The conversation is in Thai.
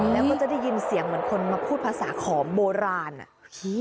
แล้วก็จะได้ยินเสียงเหมือนคนมาพูดภาษาขอมโบราณอ่ะ